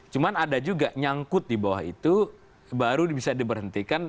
cuma ada juga nyangkut di bawah itu baru bisa diberhentikan